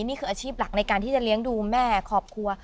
นี่คืออาชีพหลักในการที่จะเลี้ยงดูแม่ครอบครัว